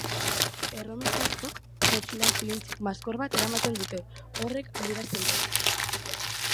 Erromes askok motxilan zintzilik maskor bat eramaten dute, horrek adierazten du.